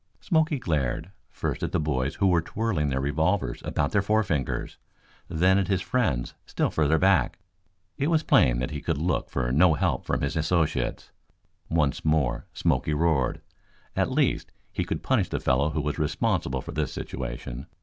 Smoky glared, first at the boys who were twirling their revolvers about their forefingers, then at his friends still further back. It was plain that he could look for no help from his associates. Once more Smoky roared. At least, he could punish the fellow who was responsible for this situation.